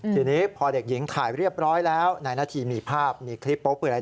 ทีนี้พอเด็กหญิงถ่ายเรียบร้อยแล้วในนาทีมีภาพมีคลิปโป๊ปืนอะไร